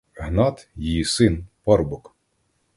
Гнат — її син, парубок.